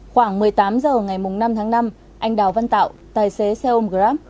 khoảng một mươi tám h ngày năm tháng năm anh đào văn tạo tài xế xe ôm grab